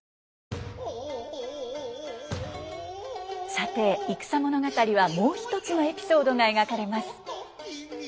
さて戦物語はもう一つのエピソードが描かれます。